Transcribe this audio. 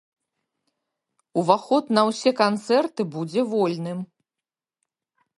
Уваход на ўсе канцэрты будзе вольным.